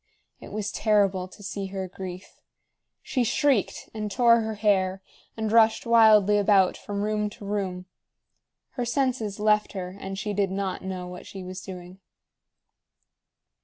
It was terrible to see her grief. She shrieked, and tore her hair, and rushed wildly about from room to room. Her senses left her, and she did not know what she was doing.